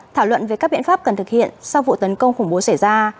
thảo luận về các biện pháp cần thực hiện sau vụ tấn công khủng bố xảy ra